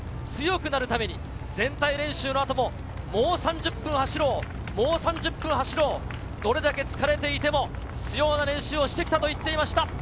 強くなるために全体練習のあとももう３０分走ろう、もう３０分走ろう、どれだけ疲れていても必要な練習をしてきたと言っていました。